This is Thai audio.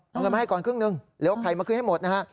เอาเงินมาให้ก่อนครึ่งหนึ่งเดี๋ยวเอาไข่มาคืนให้หมดนะฮะ